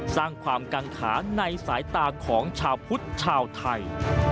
สร้างความกังขาในสายตาของชาวพุทธชาวไทย